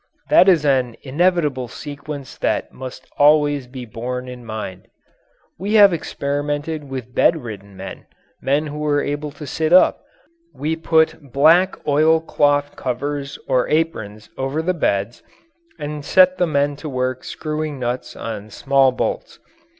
That is an inevitable sequence that must always be borne in mind. We have experimented with bedridden men men who were able to sit up. We put black oilcloth covers or aprons over the beds and set the men to work screwing nuts on small bolts.